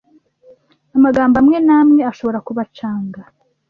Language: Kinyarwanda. amagambo amwe n’amwe ashobora kubacanga